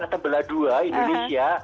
ke tebelah dua indonesia